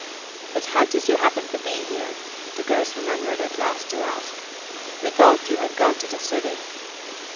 "But how did you happen to be here?" the girls remembered at last to ask. "We thought you had gone to the city."